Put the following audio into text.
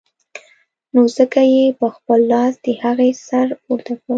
نو ځکه يې په خپل لاس د هغې سر پورته کړ.